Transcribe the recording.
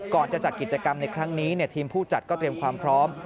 ก่อนจะจัดกิจกรรมในครั้งนี้ทีมผู้จัดก็เตรียมความพร้อม